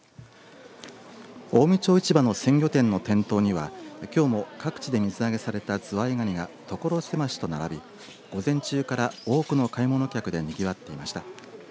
近江町市場の鮮魚店の店頭にはきょうも各地で水揚げされたズワイガニが所狭しと並び、午前中から多くの買い物客でにぎわっていました。